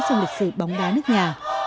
trong lịch sử bóng đá nước nhà